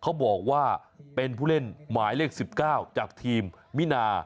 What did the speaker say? เขาบอกว่าเป็นผู้เล่นหมายเลข๑๙จากทีมมินา